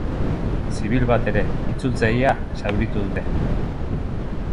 Zibil bat ere, itzultzailea, zauritu dute.